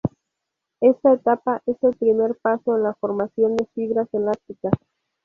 Esta etapa es el primer paso en la formación de fibras elásticas.